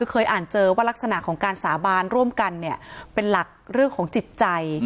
เคยอ่านเจอว่ารักษณะของการสาบานร่วมกันเนี่ยเป็นหลักเรื่องของจิตใจ